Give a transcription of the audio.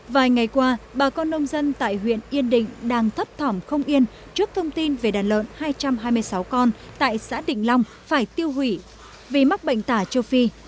vài ngày qua bà con nông dân tại huyện yên định đang thấp thỏm không yên trước thông tin về đàn lợn hai trăm hai mươi sáu con tại xã định long phải tiêu hủy vì mắc bệnh tả châu phi